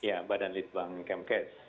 ya badan litbang kemenkes